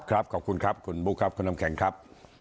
ขอบคุณครับคุณบุ๊คครับคุณน้ำแข็งครับ